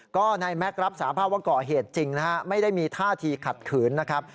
ก็นายแม็กซ์รับสาภาพว่าก่อเหตุจริงนะฮะไม่ได้มีท่าทีขัดขืนนะครับ